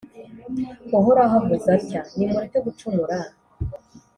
Uhoraho avuze atya: nimurekere gucumura